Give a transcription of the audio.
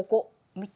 見て。